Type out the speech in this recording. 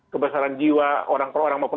kebesaran jiwa orang per orang maupun